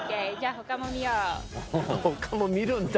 他も見るんだ。